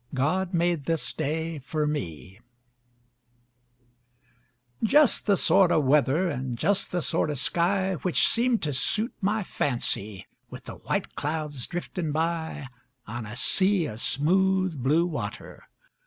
GOD MADE THIS DAY FOR ME Jes' the sort o' weather and jes' the sort o' sky Which seem to suit my fancy, with the white clouds driftin' by On a sea o' smooth blue water.